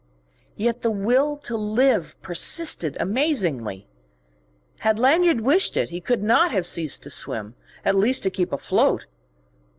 Yet the will to live persisted amazingly. Had Lanyard wished it he could not have ceased to swim, at least to keep afloat.